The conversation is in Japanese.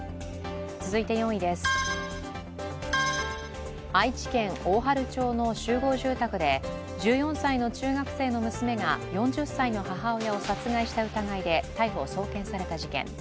続いて４位です、愛知県大治町の集合住宅で１４歳の中学生の娘が４０歳の母親を殺害した疑いで逮捕・送検された事件。